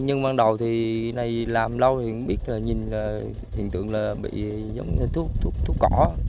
nhưng ban đầu thì này làm lâu thì cũng biết là nhìn là hiện tượng là bị thuốc cỏ